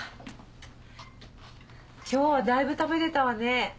今日はだいぶ食べられたわね。